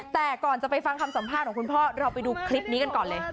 แต่ก่อนจะไปฟังคำสัมภาษณ์ของคุณพ่อเราไปดูคลิปนี้กันก่อนเลย